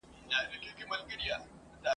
او دې مخکښانو به هم په دې شیانو خوا سړوله